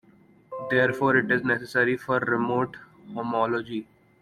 Therefore, it is necessary for remote homology.